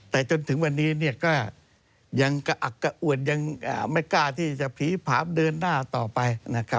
แต่จนถึงวันนี้ก็ยังกระอักกะอวดยังไม่กล้าที่จะผีผามเดินหน้าต่อไป